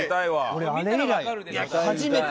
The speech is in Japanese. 俺あれ以来初めて。